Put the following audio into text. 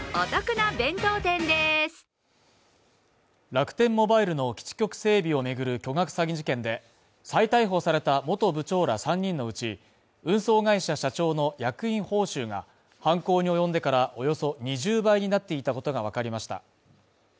楽天モバイルの基地局整備を巡る巨額詐欺事件で再逮捕された元部長ら３人のうち、運送会社社長の役員報酬が犯行に及んでからおよそ２０倍になっていたことがわかりました。